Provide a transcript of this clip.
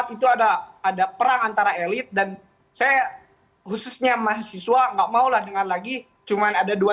itu ada ada perang antara elit dan saya khususnya mahasiswa nggak mau lah dengan lagi cuman ada dua